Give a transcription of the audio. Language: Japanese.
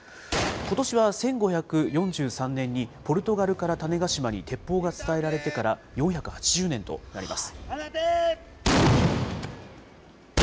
ことしは１５４３年にポルトガルから種子島に鉄砲が伝えられてから４８０年となります。